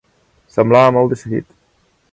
Semblava molt decidit.